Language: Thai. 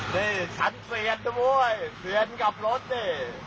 นี่การเสียงนะมวยเสียงกับรถดิ